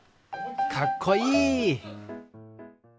かっこいい！